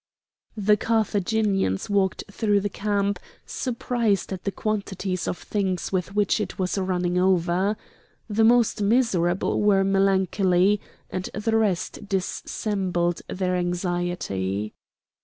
The Carthaginians walked through the camp, surprised at the quantities of things with which it was running over. The most miserable were melancholy, and the rest dissembled their anxiety.